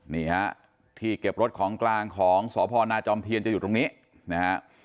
นี่ฮะที่เก็บรถของกลางของสพนาจอมเทียนจะอยู่ตรงนี้นะฮะ